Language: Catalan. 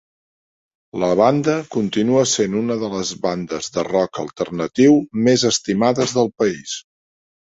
La banda continua sent una de les bandes de rock alternatiu més estimades del país.